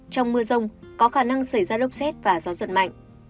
trong mưa rông có khả năng xảy ra lốc xét và gió giật mạnh